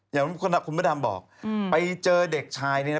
อย่างที่คุณพระดำบอกไปเจอเด็กชายนี่นะ